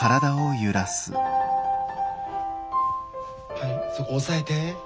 はいそこ抑えて。